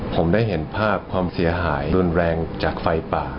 ผมได้เห็นภาพความเสียหายรุนแรงจากไฟป่า